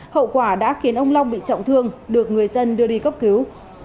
hậu quả đã khiến ông long bị trọng thương được người dân đưa đi cấp cứu